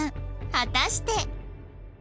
果たして